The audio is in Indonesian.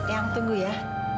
yang tunggu ya